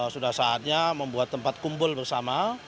sudah saatnya membuat tempat kumpul bersama